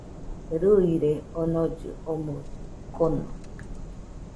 Rɨire onollɨ omɨ kono